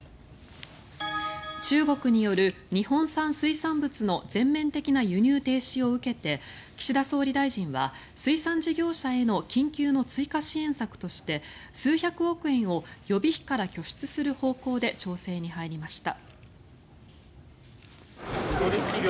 中国による日本産水産物の全面的な輸入停止を受けて岸田総理大臣は水産事業者への緊急の追加支援策として数百億円を予備費から拠出する方向で調整に入りました。